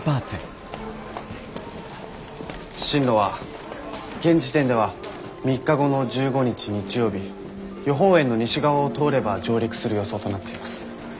進路は現時点では３日後の１５日日曜日予報円の西側を通れば上陸する予想となっています。